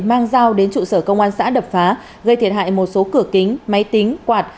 mang dao đến trụ sở công an xã đập phá gây thiệt hại một số cửa kính máy tính quạt